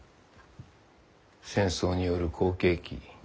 戦争による好景気。